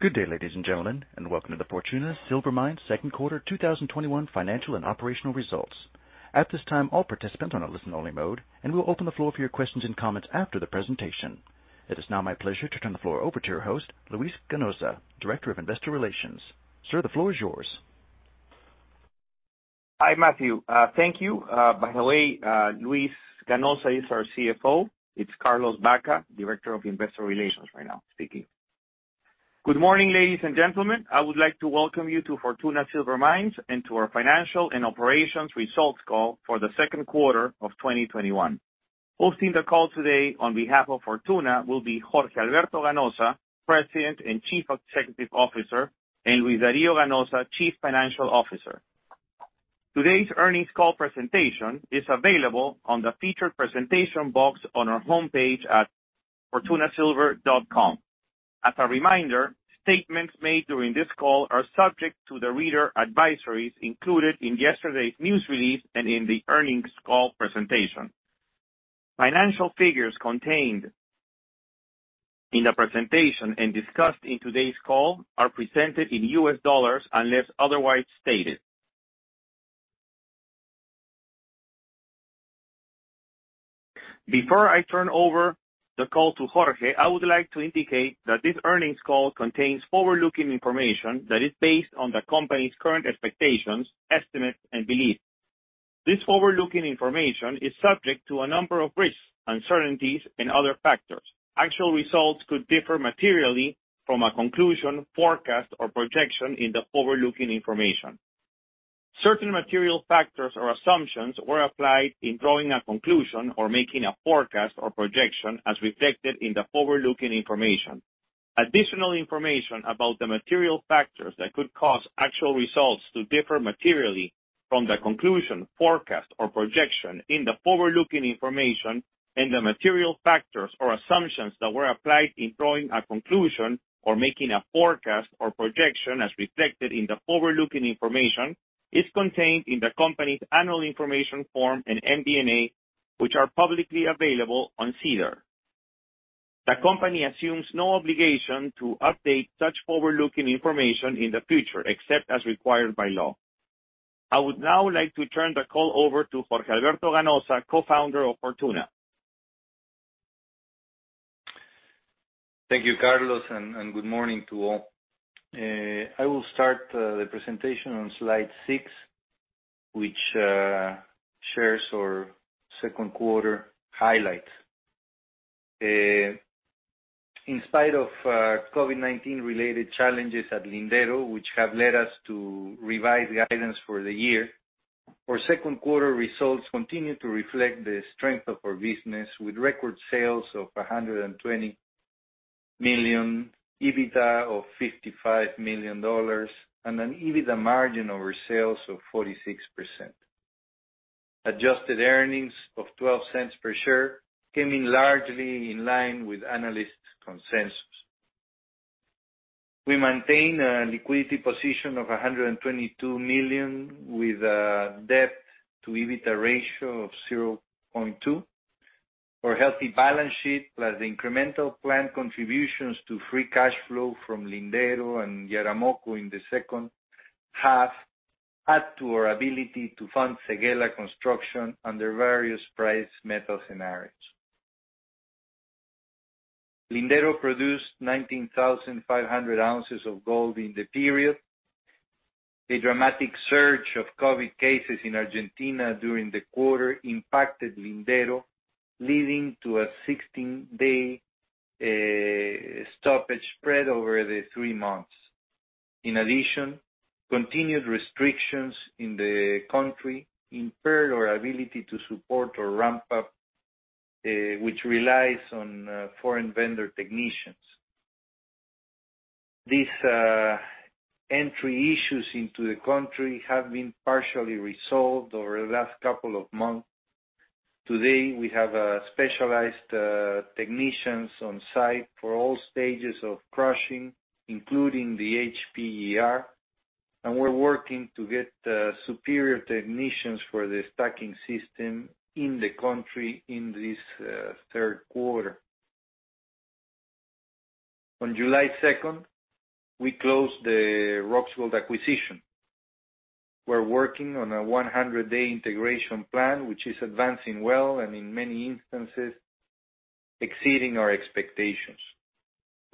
Good day, ladies and gentlemen, and welcome to the Fortuna Silver Mines second quarter 2021 financial and operational results. At this time, all participants are on a listen only mode, and we'll open the floor for your questions and comments after the presentation. It is now my pleasure to turn the floor over to your host, Luis Ganoza, Director of Investor Relations. Sir, the floor is yours. Hi, Matthew. Thank you. By the way, Luis Ganoza is our CFO. It's Carlos Baca, Director of Investor Relations right now speaking. Good morning, ladies and gentlemen. I would like to welcome you to Fortuna Silver Mines and to our Financial and Operations Results Call for the second quarter of 2021. Hosting the call today on behalf of Fortuna will be Jorge Alberto Ganoza, President and Chief Executive Officer, and Luis Dario Ganoza, Chief Financial Officer. Today's earnings call presentation is available on the featured presentation box on our homepage at fortunasilver.com. As a reminder, statements made during this call are subject to the reader advisories included in yesterday's news release and in the earnings call presentation. Financial figures contained in the presentation and discussed in today's call are presented in U.S. dollars unless otherwise stated. Before I turn over the call to Jorge, I would like to indicate that this earnings call contains forward-looking information that is based on the company's current expectations, estimates and beliefs. This forward-looking information is subject to a number of risks, uncertainties and other factors. Actual results could differ materially from a conclusion, forecast or projection in the forward-looking information. Certain material factors or assumptions were applied in drawing a conclusion or making a forecast or projection as reflected in the forward-looking information. Additional information about the material factors that could cause actual results to differ materially from the conclusion, forecast, or projection in the forward-looking information and the material factors or assumptions that were applied in drawing a conclusion or making a forecast or projection as reflected in the forward-looking information, is contained in the company's annual information form and MD&A, which are publicly available on SEDAR. The company assumes no obligation to update such forward-looking information in the future, except as required by law. I would now like to turn the call over to Jorge Alberto Ganoza, co-founder of Fortuna. Thank you, Carlos, and good morning to all. I will start the presentation on slide six, which shares our second quarter highlights. In spite of COVID-19 related challenges at Lindero, which have led us to revise the guidance for the year, our second quarter results continue to reflect the strength of our business with record sales of $120 million, EBITDA of $55 million, and an EBITDA margin over sales of 46%. Adjusted earnings of $0.12 per share came in largely in line with analyst consensus. We maintain a liquidity position of $122 million with a debt to EBITDA ratio of 0.2. Our healthy balance sheet, plus incremental planned contributions to free cash flow from Lindero and Yaramoko in the second half, add to our ability to fund Seguela construction under various price metal scenarios. Lindero produced 19,500 ounces of gold in the period. The dramatic surge of COVID-19 cases in Argentina during the quarter impacted Lindero, leading to a 16-day stoppage spread over the three months. In addition, continued restrictions in the country impaired our ability to support or ramp up, which relies on foreign vendor technicians. These entry issues into the country have been partially resolved over the last couple of months. Today, we have specialized technicians on site for all stages of crushing, including the HPGR, and we're working to get Superior technicians for the stacking system in the country in this third quarter. On July 2nd, we closed the Roxgold acquisition. We're working on a 100-day integration plan, which is advancing well and in many instances exceeding our expectations.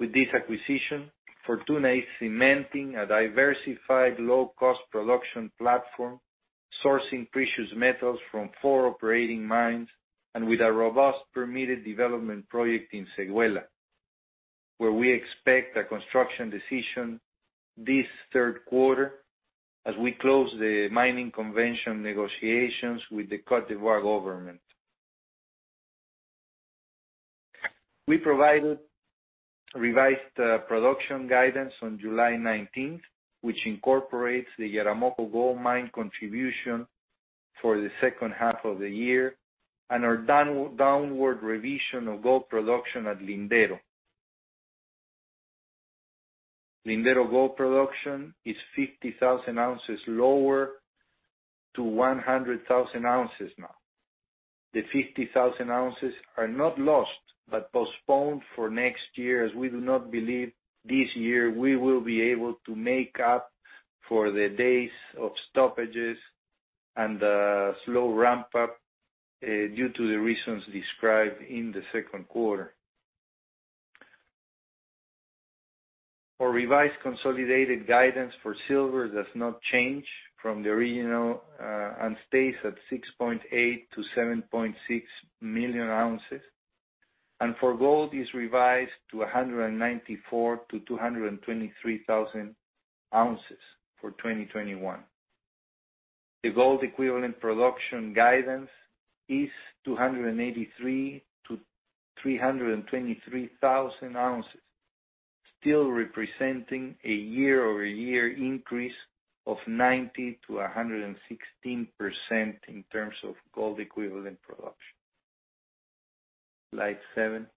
With this acquisition, Fortuna is cementing a diversified low-cost production platform, sourcing precious metals from four operating mines, and with a robust permitted development project in Seguela, where we expect a construction decision this third quarter as we close the Mining Convention negotiations with the Côte d'Ivoire government. We provided revised production guidance on July 19th, which incorporates the Yaramoko gold mine contribution for the second half of the year and our downward revision of gold production at Lindero. Lindero gold production is 50,000 ounces lower to 100,000 ounces now. The 50,000 ounces are not lost, but postponed for next year, as we do not believe this year we will be able to make up for the days of stoppages and the slow ramp-up due to the reasons described in the second quarter. Our revised consolidated guidance for silver does not change from the original and stays at 6.8 million-7.6 million ounces. For gold, is revised to 194,000-223,000 ounces for 2021. The gold-equivalent production guidance is 283,000-323,000 ounces, still representing a year-over-year increase of 90%-116% in terms of gold-equivalent production. Slide seven.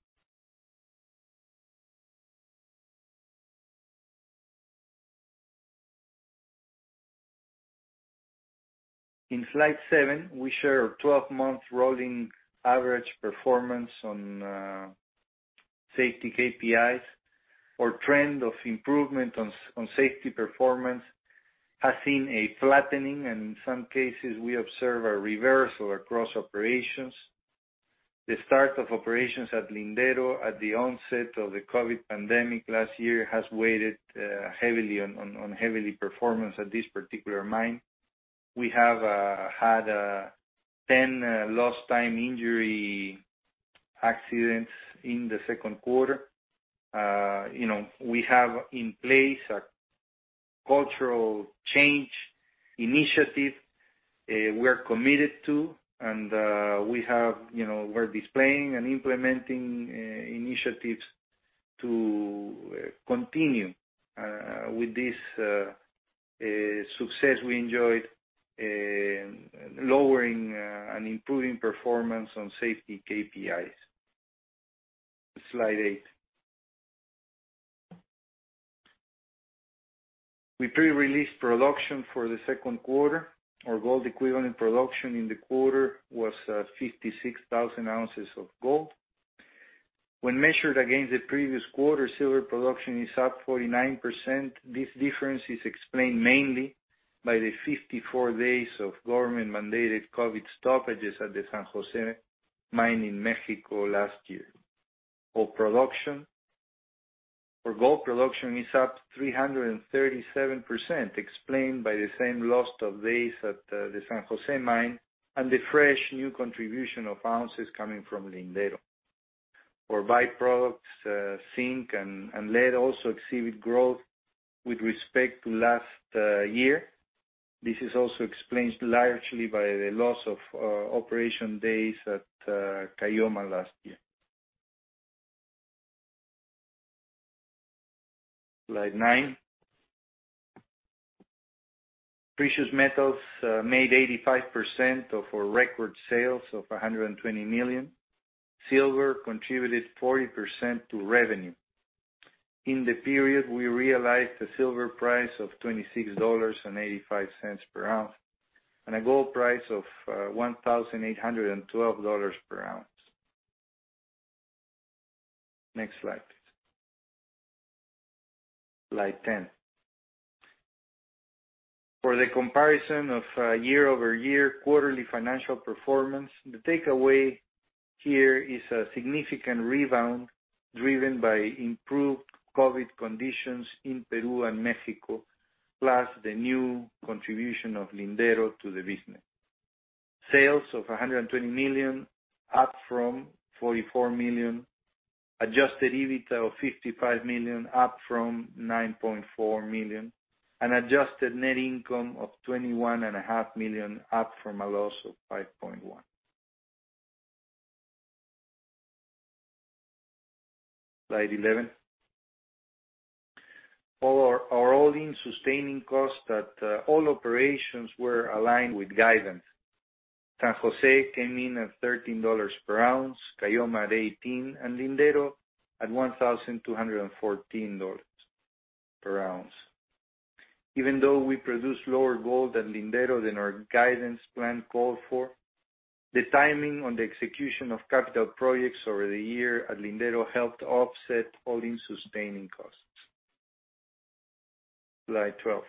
In slide seven, we share our 12-month rolling average performance on safety KPIs. Our trend of improvement on safety performance has seen a flattening, and in some cases, we observe a reversal across operations. The start of operations at Lindero at the onset of the COVID-19 pandemic last year has weighed heavily on performance at this particular mine. We have had 10 lost time injury accidents in the second quarter. We have in place a cultural change initiative we are committed to. We're displaying and implementing initiatives to continue with this success we enjoyed in lowering and improving performance on safety KPIs. Slide eight. We pre-released production for the second quarter. Our gold-equivalent production in the quarter was 56,000 ounces of gold. When measured against the previous quarter, silver production is up 49%. This difference is explained mainly by the 54 days of government-mandated COVID stoppages at the San Jose mine in Mexico last year. For gold production, it's up 337%, explained by the same lost of days at the San Jose mine and the fresh new contribution of ounces coming from Lindero. For byproducts, zinc and lead also exceeded growth with respect to last year. This is also explained largely by the loss of operation days at Caylloma last year. Slide nine. Precious metals made 85% of our record sales of $120 million. Silver contributed 40% to revenue. In the period, we realized a silver price of $26.85 per ounce and a gold price of $1,812 per ounce. Next slide. Slide 10. For the comparison of year-over-year quarterly financial performance, the takeaway here is a significant rebound driven by improved COVID conditions in Peru and Mexico, plus the new contribution of Lindero to the business. Sales of $120 million, up from $44 million. Adjusted EBITDA of $55 million, up from $9.4 million. Adjusted net income of $21.5 million, up from a loss of $5.1 million. Slide 11. Our all-in sustaining costs at all operations were aligned with guidance. San Jose came in at $13 per ounce, Caylloma at $18, Lindero at $1,214 per ounce. Even though we produced lower gold at Lindero than our guidance plan called for, the timing on the execution of capital projects over the year at Lindero helped offset all-in sustaining costs. Slide 12.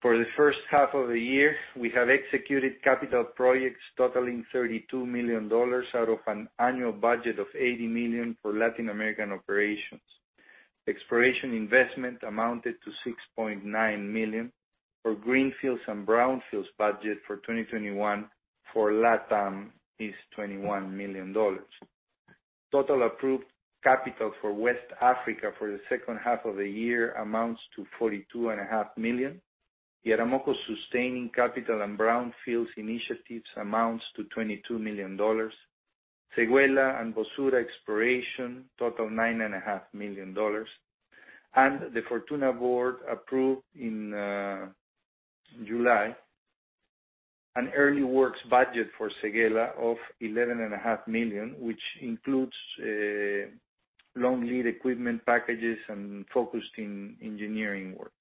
For the first half of the year, we have executed capital projects totaling $32 million out of an annual budget of $80 million for Latin American operations. Exploration investment amounted to $6.9 million. For greenfields and brownfields budget for 2021 for LATAM is $21 million. Total approved capital for West Africa for the second half of the year amounts to $42.5 million. Yaramoko sustaining capital and brownfields initiatives amounts to $22 million. Seguela and Boussoura exploration total $9.5 million. The Fortuna board approved in July an early works budget for Seguela of $11.5 million, which includes long lead equipment packages and focused in engineering work.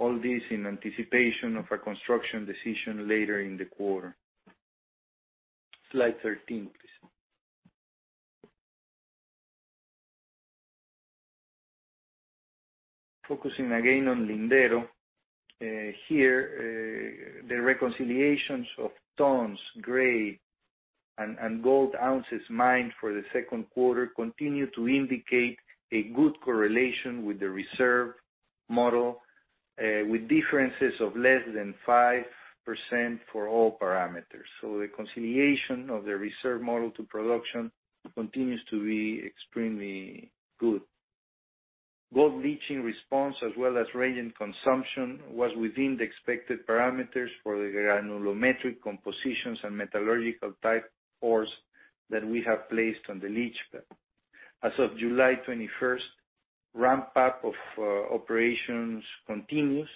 All this in anticipation of a construction decision later in the quarter. Slide 13, please. Focusing again on Lindero. Here, the reconciliations of tonnes, grade, and gold ounces mined for the second quarter continue to indicate a good correlation with the reserve model, with differences of less than 5% for all parameters. The reconciliation of the reserve model to production continues to be extremely good. Gold leaching response as well as reagent consumption was within the expected parameters for the granulometric compositions and metallurgical type ores that we have placed on the leach pad. As of July 21st, ramp-up of operations continues.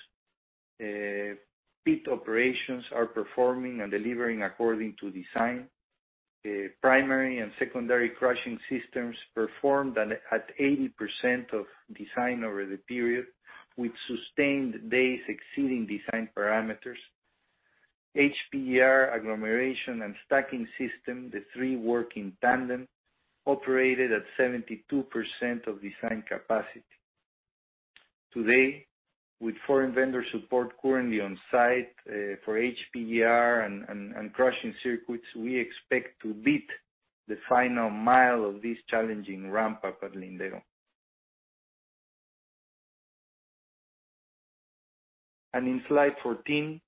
Pit operations are performing and delivering according to design. Primary and secondary crushing systems performed at 80% of design over the period, with sustained days exceeding design parameters. HPGR, agglomeration, and stacking system, the three work in tandem, operated at 72% of design capacity. To date, with foreign vendor support currently on site for HPGR and crushing circuits, we expect to beat the final mile of this challenging ramp-up at Lindero. In slide 14,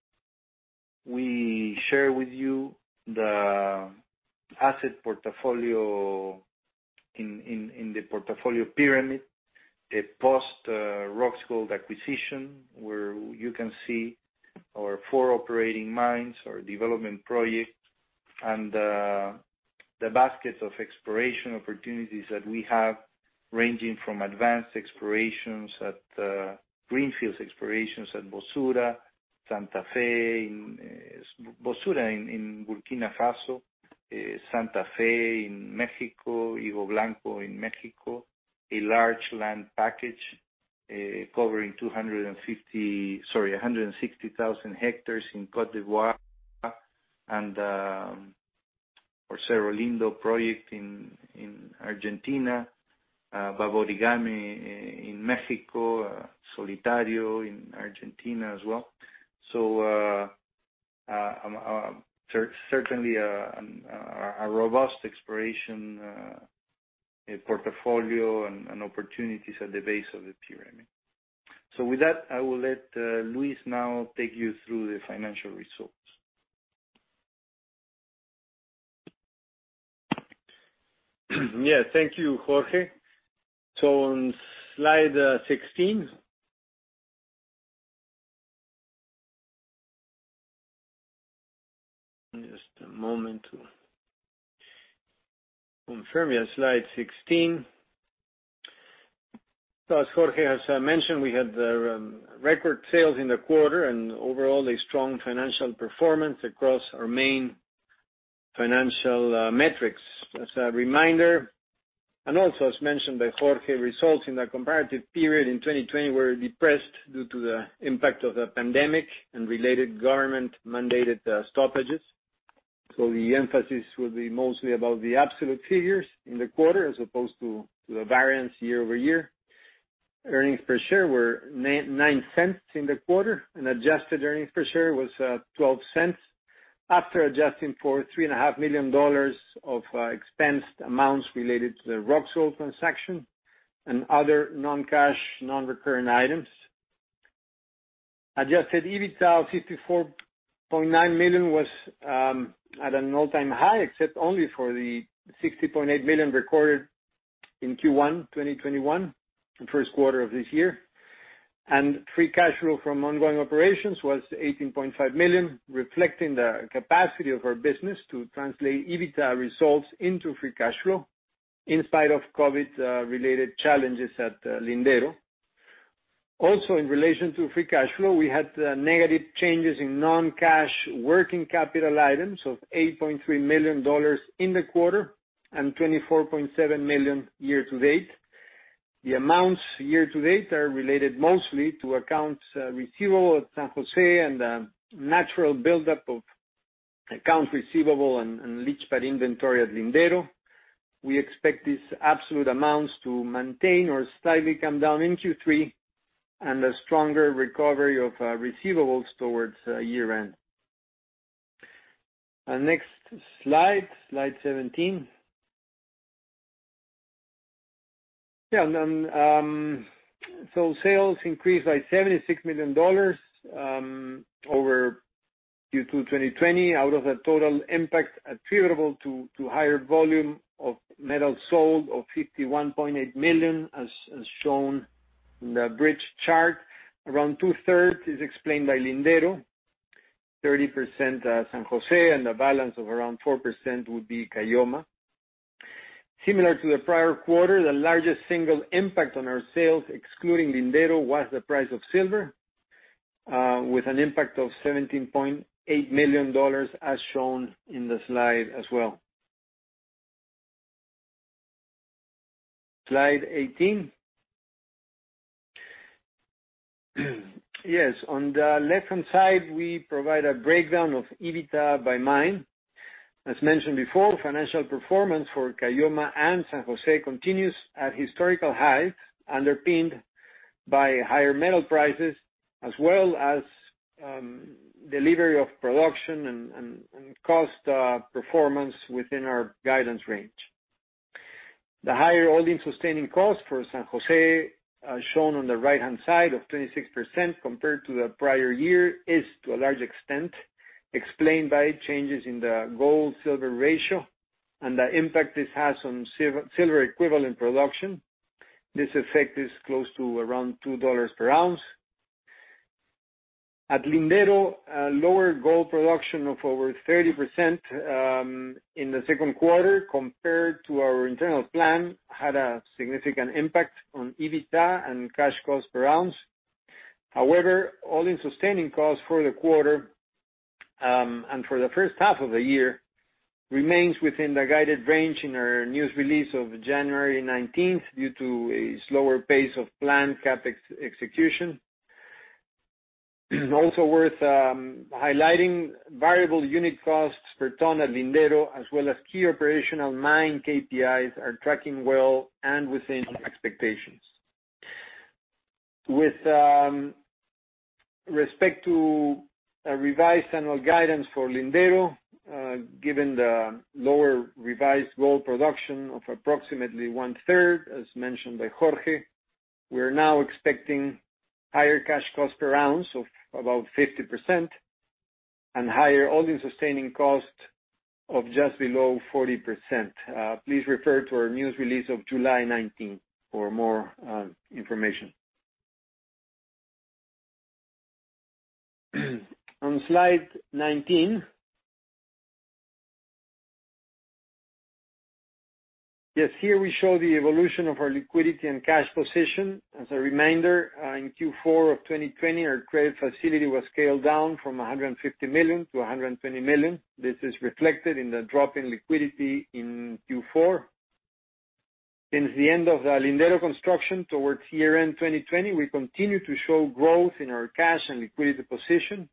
we share with you the asset portfolio in the portfolio pyramid. The post-Roxgold acquisition, where you can see our four operating mines, our development projects, and the basket of exploration opportunities that we have, ranging from advanced explorations at greenfields explorations at Boussoura, Santa Fe. Boussoura in Burkina Faso, Santa Fe in Mexico, Higo Blanco in Mexico. A large land package covering 160,000 hectares in Cote d'Ivoire. Cerro Lindo project in Argentina. Baborigame in Mexico, Solitario in Argentina as well. Certainly a robust exploration portfolio and opportunities at the base of the pyramid. With that, I will let Luis now take you through the financial results. Yes. Thank you, Jorge. On slide 16. Just a moment to confirm. Yeah, slide 16. As Jorge has mentioned, we had record sales in the quarter, and overall a strong financial performance across our main financial metrics. As a reminder, and also as mentioned by Jorge, results in the comparative period in 2020 were depressed due to the impact of the pandemic and related government-mandated stoppages. The emphasis will be mostly about the absolute figures in the quarter as opposed to the variance year-over-year. Earnings per share were $0.09 in the quarter, and adjusted earnings per share was $0.12 after adjusting for $3.5 million of expensed amounts related to the Roxgold transaction and other non-cash, non-recurring items. Adjusted EBITDA of $54.9 million was at an all-time high, except only for the $60.8 million recorded in Q1 2021, the first quarter of this year. Free cash flow from ongoing operations was $18.5 million, reflecting the capacity of our business to translate EBITDA results into free cash flow in spite of COVID-19-related challenges at Lindero. Also, in relation to free cash flow, we had negative changes in non-cash working capital items of $8.3 million in the quarter, and $24.7 million year-to-date. The amounts year-to-date are related mostly to accounts receivable at San Jose and the natural buildup of accounts receivable and leach pad inventory at Lindero. We expect these absolute amounts to maintain or slightly come down in Q3, and a stronger recovery of receivables towards year-end. Next slide 17. Sales increased by $76 million over Q2 2020 out of a total impact attributable to higher volume of metal sold of $51.8 million as shown in the bridge chart. Around two-thirds is explained by Lindero, 30% San Jose, and the balance of around 4% would be Caylloma. Similar to the prior quarter, the largest single impact on our sales, excluding Lindero, was the price of silver, with an impact of $17.8 million, as shown in the slide as well. Slide 18. Yes. On the left-hand side, we provide a breakdown of EBITDA by mine. As mentioned before, financial performance for Caylloma and San Jose continues at historical highs, underpinned by higher metal prices as well as delivery of production and cost performance within our guidance range. The higher all-in sustaining costs for San Jose are shown on the right-hand side of 26% compared to the prior year, is to a large extent explained by changes in the gold-silver ratio and the impact this has on silver equivalent production. This effect is close to around $2 per ounce. At Lindero, a lower gold production of over 30% in the second quarter compared to our internal plan had a significant impact on EBITDA and cash cost per ounce. All-in sustaining costs for the quarter, and for the first half of the year, remains within the guided range in our news release of January 19th due to a slower pace of planned CapEx execution. Variable unit costs per tonne at Lindero as well as key operational mine KPIs are tracking well and within expectations. With respect to a revised annual guidance for Lindero, given the lower revised gold production of approximately one-third, as mentioned by Jorge, we are now expecting higher cash cost per ounce of about 50% and higher all-in sustaining cost of just below 40%. Please refer to our news release of July 19 for more information. On slide 19. Yes, here we show the evolution of our liquidity and cash position. As a reminder, in Q4 of 2020, our credit facility was scaled down from $150 million to $120 million. This is reflected in the drop in liquidity in Q4. Since the end of the Lindero construction towards year-end 2020, we continue to show growth in our cash and liquidity position.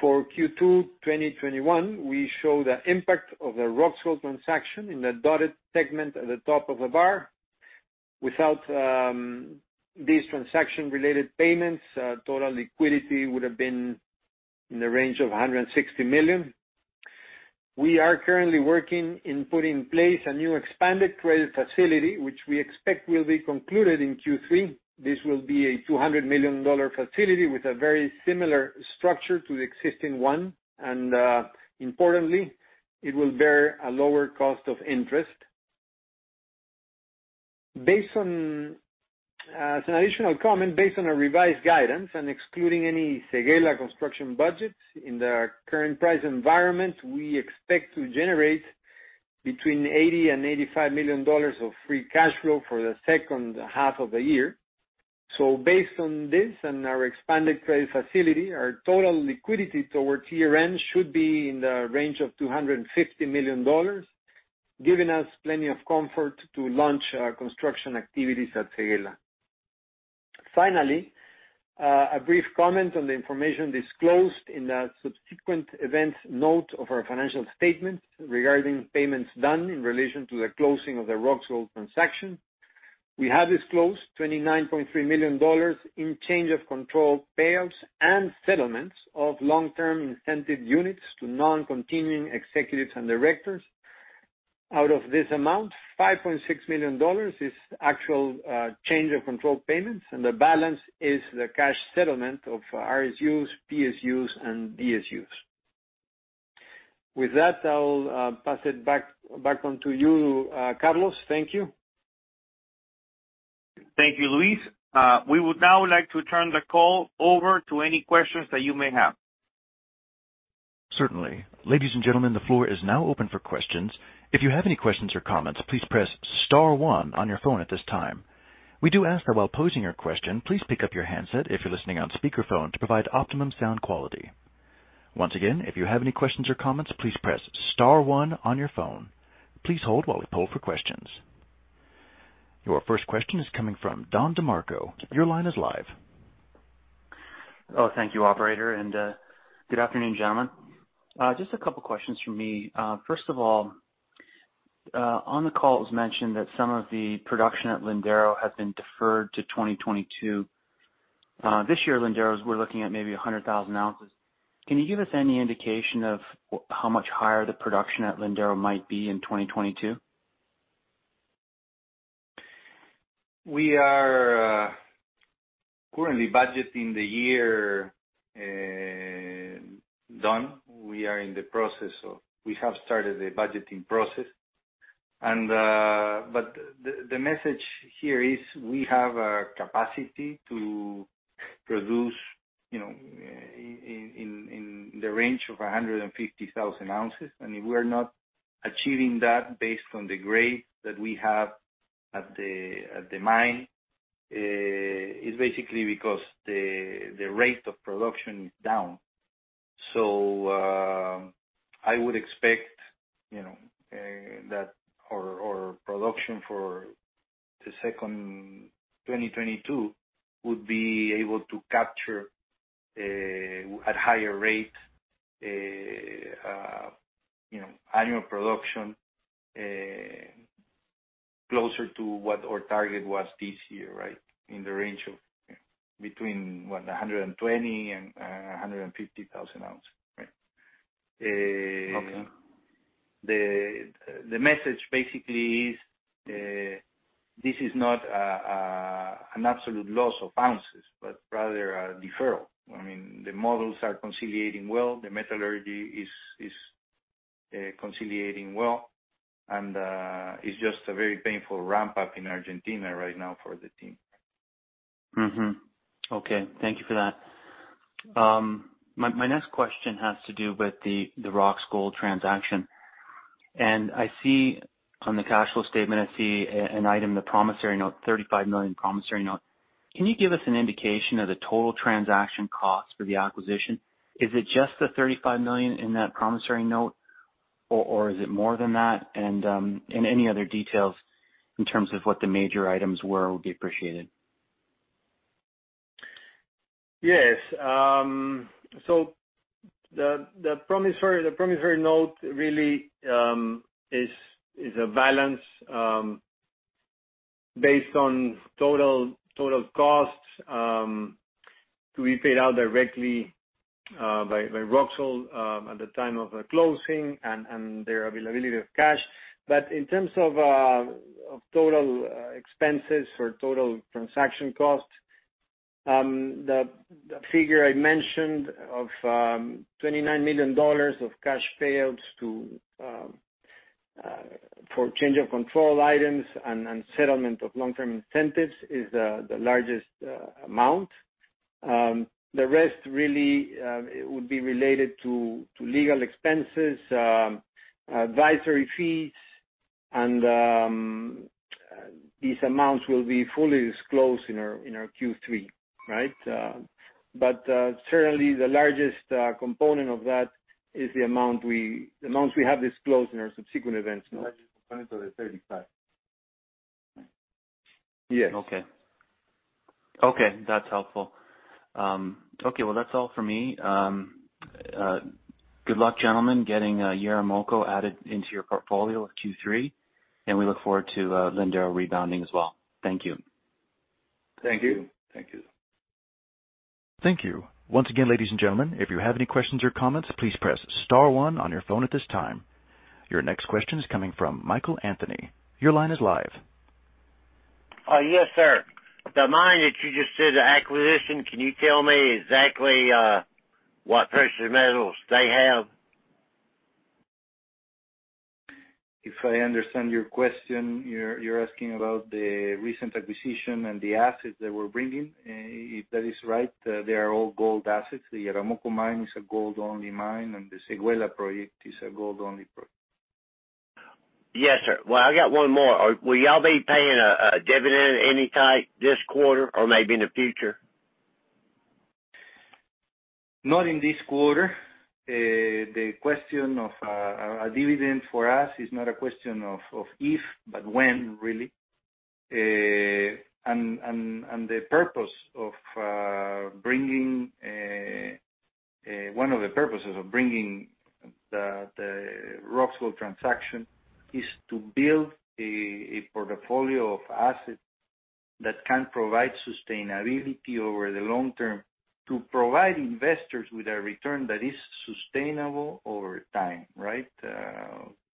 For Q2 2021, we show the impact of the Roxgold transaction in the dotted segment at the top of the bar. Without these transaction-related payments, total liquidity would have been in the range of $160 million. We are currently working in putting in place a new expanded credit facility, which we expect will be concluded in Q3. This will be a $200 million facility with a very similar structure to the existing one, and importantly, it will bear a lower cost of interest. As an additional comment, based on our revised guidance and excluding any Seguela construction budget, in the current price environment, we expect to generate between $80 million and $85 million of free cash flow for the second half of the year. Based on this and our expanded credit facility, our total liquidity toward year-end should be in the range of $250 million, giving us plenty of comfort to launch our construction activities at Seguela. Finally, a brief comment on the information disclosed in the subsequent events note of our financial statement regarding payments done in relation to the closing of the Roxgold transaction. We have disclosed $29.3 million in change of control payouts and settlements of long-term incentive units to non-continuing executives and directors. Out of this amount, $5.6 million is actual change in control payments, and the balance is the cash settlement of RSUs, PSUs and DSUs. With that, I'll pass it back onto you, Carlos. Thank you. Thank you, Luis. We would now like to turn the call over to any questions that you may have. Certainly. Ladies and gentlemen, the floor is now open for questions. If you have any questions or comments, please press star one on your phone at this time. We do ask that while posing your question, please pick up your handset if you're listening on speakerphone to provide optimum sound quality. Once again, if you have any questions or comments, please press star one on your phone. Your first question is coming from Don DeMarco. Your line is live. Oh, thank you, operator, and good afternoon, gentlemen. Just a couple questions from me. First of all, on the call, it was mentioned that some of the production at Lindero has been deferred to 2022. This year at Lindero, we're looking at maybe 100,000 ounces. Can you give us any indication of how much higher the production at Lindero might be in 2022? We are currently budgeting the year, Don. We have started the budgeting process. The message here is we have a capacity to produce in the range of 150,000 ounces. If we're not achieving that based on the grade that we have at the mine, it's basically because the rate of production is down. I would expect that our production for the second 2022 would be able to capture, at higher rate, annual production closer to what our target was this year, right? In the range of between 120,000 and 150,000 ounces. Right. Okay. The message basically is, this is not an absolute loss of ounces, but rather a deferral. The models are conciliating well, the metallurgy is conciliating well. It's just a very painful ramp-up in Argentina right now for the team. Mm-hmm. Okay. Thank you for that. My next question has to do with the Roxgold transaction. On the cash flow statement, I see an item, the promissory note, $35 million promissory note. Can you give us an indication of the total transaction cost for the acquisition? Is it just the $35 million in that promissory note or is it more than that? Any other details in terms of what the major items were would be appreciated. Yes. The promissory note really is a balance based on total costs to be paid out directly by Roxgold at the time of closing and their availability of cash. In terms of total expenses or total transaction costs, the figure I mentioned of $29 million of cash payouts for change of control items and settlement of long-term incentives is the largest amount. The rest really would be related to legal expenses, advisory fees, and these amounts will be fully disclosed in our Q3. Right? Certainly the largest component of that is the amounts we have disclosed in our subsequent events note. The largest component of the $35 million. Yes. Okay. That's helpful. Okay. Well, that's all for me. Good luck, gentlemen, getting Yaramoko added into your portfolio at Q3, and we look forward to Lindero rebounding as well. Thank you. Thank you. Thank you. Thank you. Once again, ladies and gentlemen, if you have any questions or comments, please press star one on your phone at this time. Your next question is coming from Michael Anthony. Your line is live. Yes, sir. The mine that you just did, the acquisition, can you tell me exactly what precious metals they have? If I understand your question, you are asking about the recent acquisition and the assets that we are bringing. If that is right, they are all gold assets. The Yaramoko mine is a gold-only mine, and the Seguela project is a gold-only project. Yes, sir. Well, I got one more. Will y'all be paying a dividend of any type this quarter or maybe in the future? Not in this quarter. The question of a dividend for us is not a question of if, but when, really. One of the purposes of bringing the Roxgold transaction is to build a portfolio of assets that can provide sustainability over the long term to provide investors with a return that is sustainable over time. Right.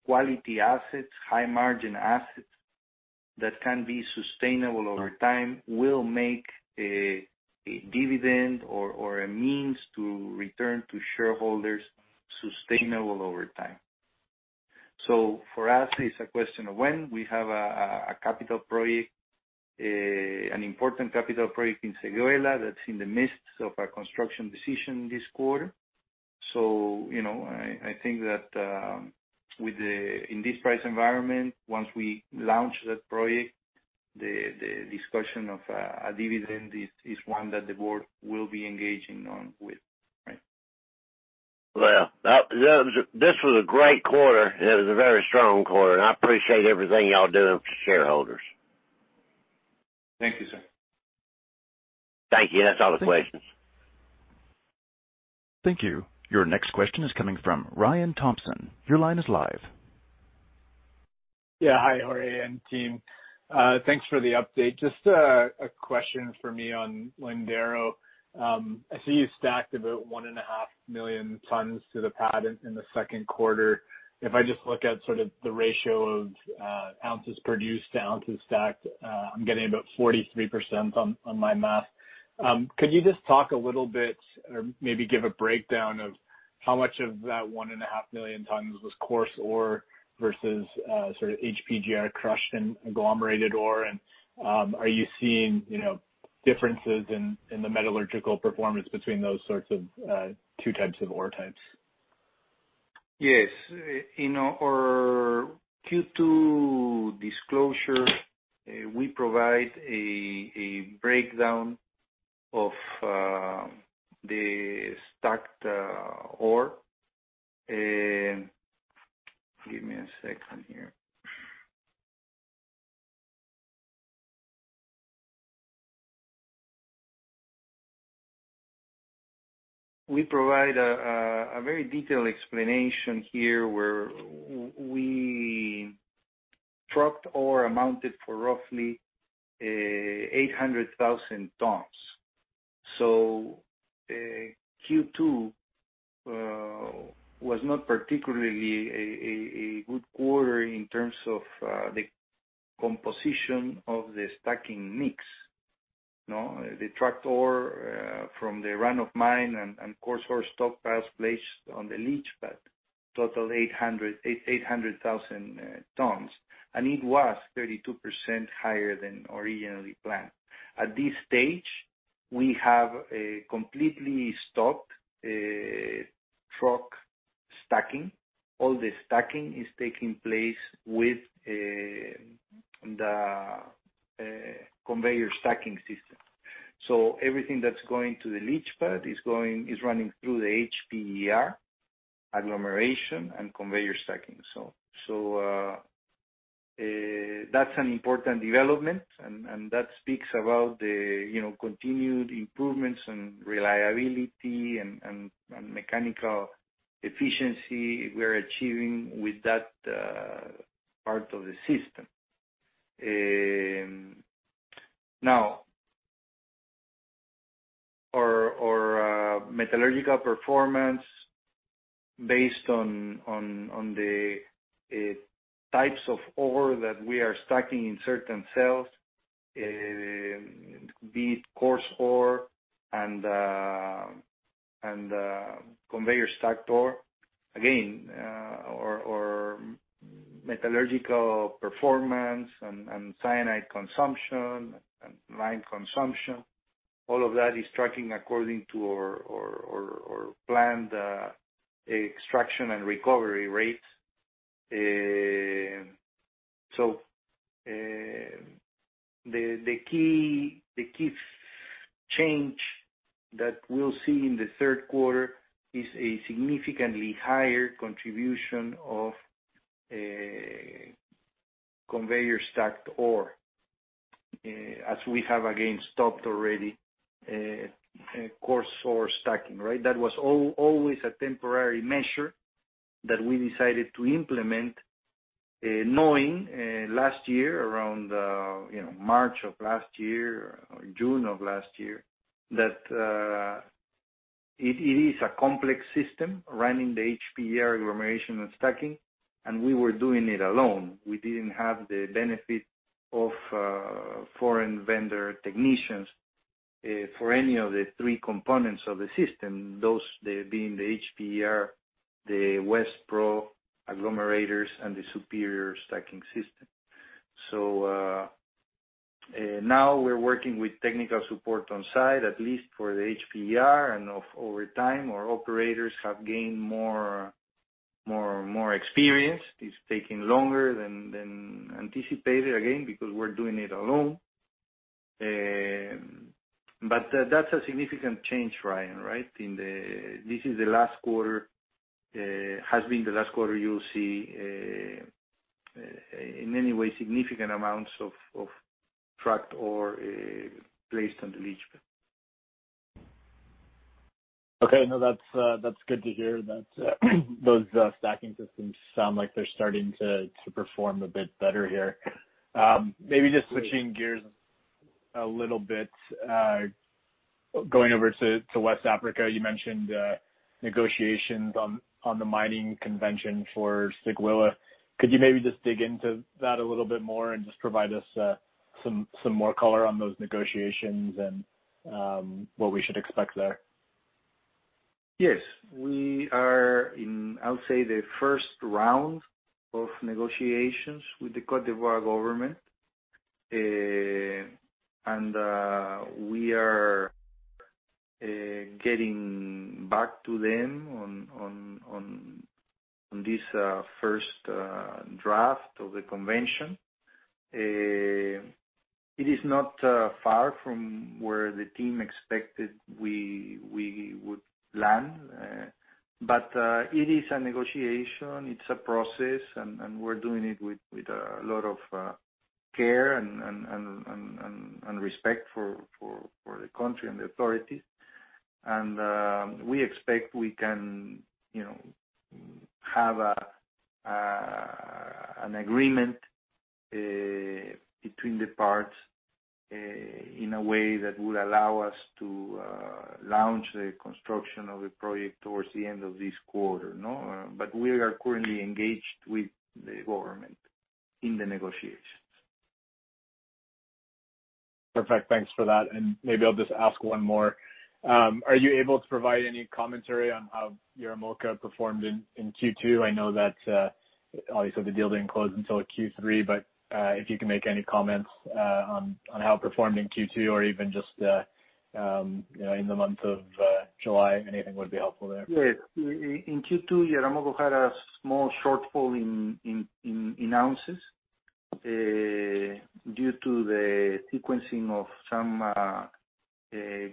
Quality assets, high margin assets that can be sustainable over time will make a dividend or a means to return to shareholders sustainable over time. For us, it's a question of when. We have a capital project, an important capital project in Seguela that's in the midst of a construction decision this quarter. I think that in this price environment, once we launch that project, the discussion of a dividend is one that the board will be engaging on with. Right. Well, this was a great quarter. It was a very strong quarter, and I appreciate everything y'all doing for shareholders. Thank you, sir. Thank you. That's all the questions. Thank you. Your next question is coming from Ryan Thompson, your line is live. Yeah. Hi, Jorge and team. Thanks for the update. Just a question for me on Lindero. I see you stacked about 1.5 million tonnes to the pad in the second quarter. If I just look at sort of the ratio of ounces produced to ounces stacked, I'm getting about 43% on my math. Could you just talk a little bit or maybe give a breakdown of how much of that 1.5 million tonnes was coarse ore versus HPGR crushed and agglomerated ore? Are you seeing differences in the metallurgical performance between those two types of ore types? Yes. In our Q2 disclosure, we provide a breakdown of the stacked ore. Give me a second here. We provide a very detailed explanation here where we trucked ore amounted for roughly 800,000 tonnes. Q2 was not particularly a good quarter in terms of the composition of the stacking mix. The trucked ore from the run of mine and coarse ore stock piles placed on the leach pad total 800,000 tonnes, and it was 32% higher than originally planned. At this stage, we have completely stopped truck stacking. All the stacking is taking place with the conveyor stacking system. Everything that's going to the leach pad is running through the HPGR agglomeration and conveyor stacking. That's an important development, and that speaks about the continued improvements in reliability and mechanical efficiency we're achieving with that part of the system. Our metallurgical performance based on the types of ore that we are stacking in certain cells, be it coarse ore and conveyor stacked ore. Our metallurgical performance and cyanide consumption and lime consumption, all of that is tracking according to our planned extraction and recovery rates. The key change that we'll see in the third quarter is a significantly higher contribution of conveyor stacked ore, as we have again stopped already coarse ore stacking. That was always a temporary measure that we decided to implement, knowing last year, around March of last year or June of last year, that it is a complex system running the HPGR agglomeration and stacking, and we were doing it alone. We didn't have the benefit of foreign vendor technicians for any of the three components of the system. Those being the HPGR, the Westpro agglomerators, and the Superior stacking system. Now we're working with technical support on site, at least for the HPGR, and over time, our operators have gained more experience. It's taking longer than anticipated, again, because we're doing it alone. That's a significant change, Ryan. This is the last quarter, has been the last quarter you'll see, in any way, significant amounts of trucked ore placed on the leach pad. Okay. No, that's good to hear that those stacking systems sound like they are starting to perform a bit better here. Maybe just switching gears a little bit, going over to West Africa. You mentioned negotiations on the Mining Convention for Seguela. Could you maybe just dig into that a little bit more and just provide us some more color on those negotiations and what we should expect there? Yes. We are in, I'll say, the first round of negotiations with the Côte d'Ivoire government. We are getting back to them on this first draft of the Convention. It is not far from where the team expected we would land. It is a negotiation. It's a process, and we're doing it with a lot of care and respect for the country and the authorities. We expect we can have an agreement between the parts in a way that would allow us to launch the construction of the project towards the end of this quarter. We are currently engaged with the government in the negotiation. Perfect. Thanks for that. Maybe I'll just ask one more. Are you able to provide any commentary on how Yaramoko performed in Q2? I know that, obviously, the deal didn't close until Q3, but if you can make any comments on how it performed in Q2 or even just in the month of July, anything would be helpful there. Yes. In Q2, Yaramoko had a small shortfall in ounces due to the sequencing of some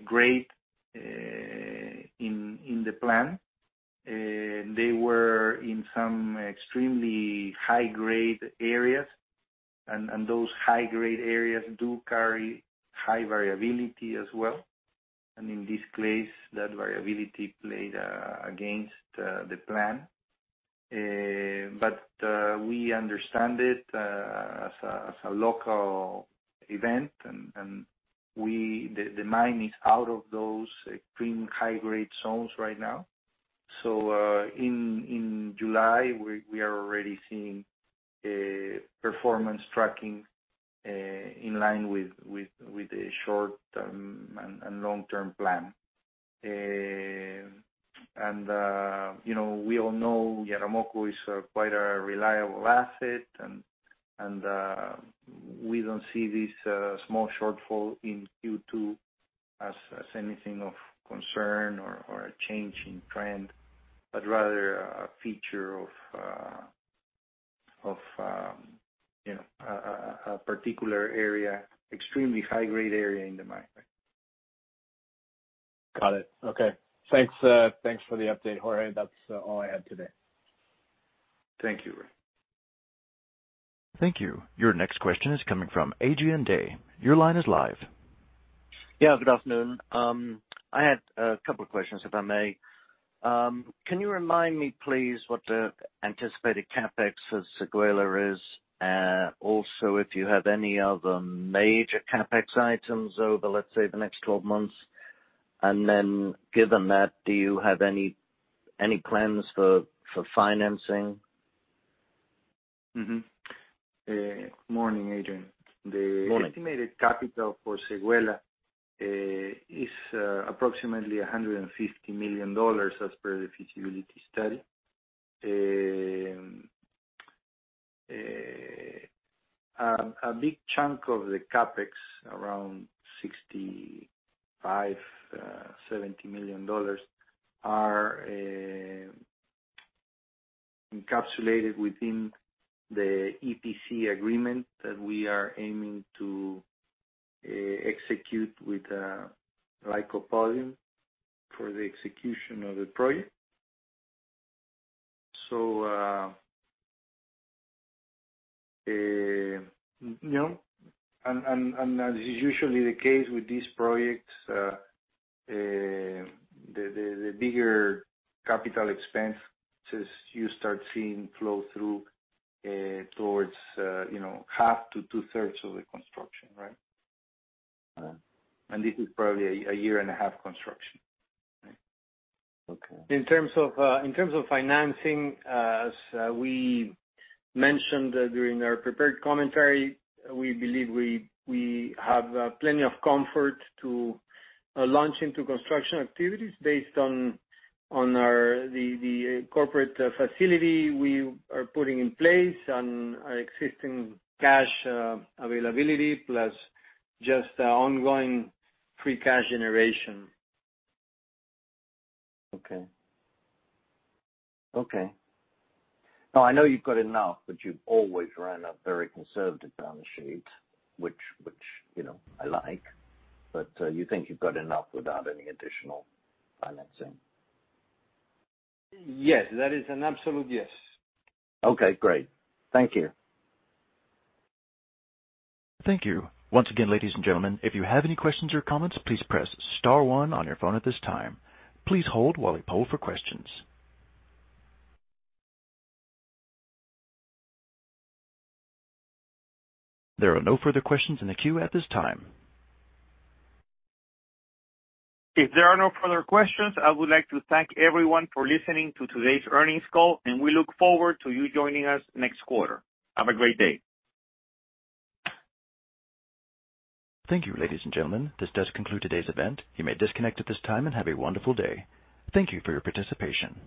grade in the plan. They were in some extremely high-grade areas, those high-grade areas do carry high variability as well. In this case, that variability played against the plan. We understand it as a local event, and the mine is out of those extreme high-grade zones right now. In July, we are already seeing performance tracking in line with the short-term and long-term plan. We all know Yaramoko is quite a reliable asset, and we don't see this small shortfall in Q2 as anything of concern or a change in trend, but rather a feature of a particular area, extremely high-grade area in the mine. Got it. Okay. Thanks for the update, Jorge. That's all I had today. Thank you. Thank you. Your next question is coming from Adrian Day. Good afternoon. I had a couple of questions, if I may. Can you remind me, please, what the anticipated CapEx for Seguela is? Also, if you have any other major CapEx items over, let's say, the next 12 months. Then given that, do you have any plans for financing? Morning, Adrian. Morning. The estimated capital for Seguela is approximately $150 million as per the feasibility study. A big chunk of the CapEx, around $65 million-$70 million, are encapsulated within the EPC agreement that we are aiming to execute with Lycopodium for the execution of the project. As is usually the case with these projects, the bigger capital expense you start seeing flow through towards half to two-thirds of the construction. Right? All right. This is probably a year-and-a-half construction. Okay. In terms of financing, as we mentioned during our prepared commentary, we believe we have plenty of comfort to launch into construction activities based on the corporate facility we are putting in place and our existing cash availability, plus just the ongoing free cash generation. Okay. Now, I know you've got enough, but you've always run a very conservative balance sheet, which I like. You think you've got enough without any additional financing? Yes. That is an absolute yes. Okay, great. Thank you. Thank you. Once again, ladies and gentlemen, if you have any questions or comments, please press star one on your phone at this time. There are no further questions in the queue at this time. If there are no further questions, I would like to thank everyone for listening to today's earnings call, and we look forward to you joining us next quarter. Have a great day. Thank you, ladies and gentlemen. This does conclude today's event. You may disconnect at this time, and have a wonderful day. Thank you for your participation.